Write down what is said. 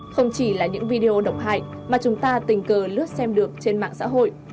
không chỉ là những video độc hại mà chúng ta tình cờ lướt xem được trên mạng xã hội